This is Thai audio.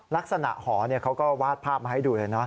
ลักษณะหอเขาก็วาดภาพมาให้ดูเลยนะ